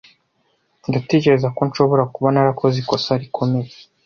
Ndatekereza ko nshobora kuba narakoze ikosa rikomeye.